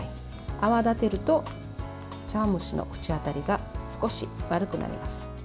泡立てると茶碗蒸しの口当たりが少し悪くなります。